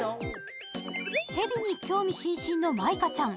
ヘビに興味津々の舞香ちゃん。